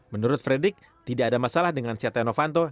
menurut frederick tidak ada masalah dengan setia novanto